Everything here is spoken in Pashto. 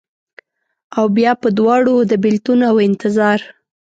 اوبیا په دواړو، د بیلتون اوانتظار